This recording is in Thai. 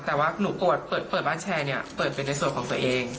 แต่ว่าหนูเปิดบ้านแชร์เนี่ยเปิดเป็นในส่วนของตัวเอง